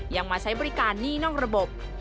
มาใช้บริการหนี้นอกระบบ